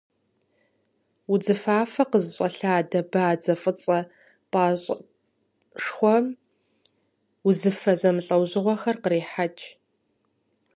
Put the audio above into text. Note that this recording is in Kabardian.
Удзыфафэ къызыщӏэлъадэ бадзэ фӏыцӏэ пӏащӏэшхуэм узыфэ зэмылӏэужьыгъуэхэр кърехьэкӏ.